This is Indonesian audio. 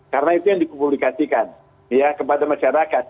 karena itu yang dikublikasikan kepada masyarakat